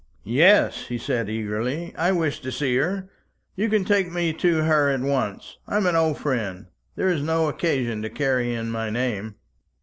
"Yes," he said eagerly, "I wish to see her. You can take me to her at once. I am an old friend. There is no occasion to carry in my name."